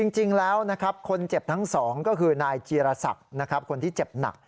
จริงแล้วคนเจ็บทั้ง๒ก็คือนายจีรศักดิ์คนที่เจ็บหนัก